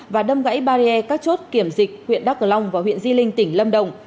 và đâm gãy barrier các chốt kiểm dịch huyện đắk cờ long và huyện di linh tỉnh lâm đồng